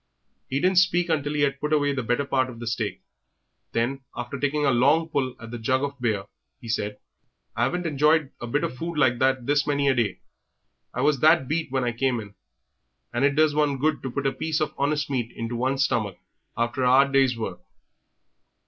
He didn't speak until he had put away the better part of the steak; then, after taking a long pull at the jug of beer, he said "I 'aven't enjoyed a bit of food like that this many a day; I was that beat when I came in, and it does do one good to put a piece of honest meat into one's stomach after a 'ard day's work!"